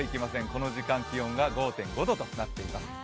この時間、気温が５．５度となっています。